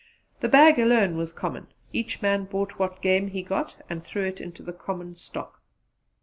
The bag alone was common; each man brought what game he got and threw it into the common stock.